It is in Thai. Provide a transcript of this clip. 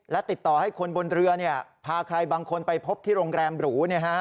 และติดต่อให้คนบนเรือพาใครบางคนไปพบที่โรงแรมหรู